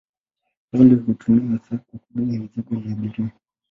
Meli hutumiwa hasa kwa kubeba mizigo na abiria.